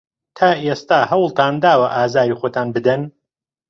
تا ئێستا هەوڵتان داوە ئازاری خۆتان بدەن؟